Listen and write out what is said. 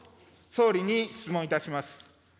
総理に質問いたします。